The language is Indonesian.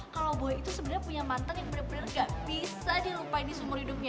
kalau boy itu sebenernya punya mantan yang bener bener gak bisa dilupain di seumur hidupnya